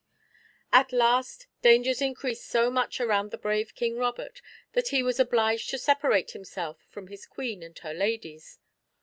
At last dangers increased so much around the brave King Robert, that he was obliged to separate himself from his Queen and her ladies.